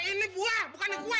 ini buah bukan nih gue